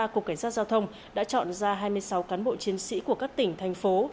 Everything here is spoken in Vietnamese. cục cảnh sát giao thông đã chọn ra hai mươi sáu cán bộ chiến sĩ của các tỉnh thành phố